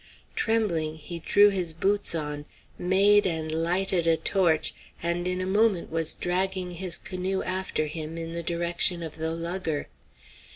Trembling, he drew his boots on, made and lighted a torch, and in a moment was dragging his canoe after him in the direction of the lugger.